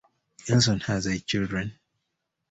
Elson has eight children.